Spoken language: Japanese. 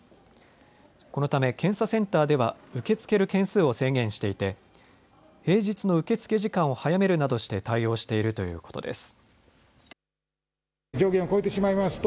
このため検査センターでは受け付ける件数を制限していて平日の受け付け時間を早めるなどして対応しているということです。